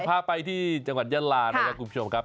พาไปที่จังหวัดยาลานะครับคุณผู้ชมครับ